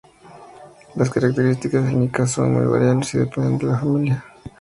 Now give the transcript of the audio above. Las características clínicas son muy variables y dependen de la familia.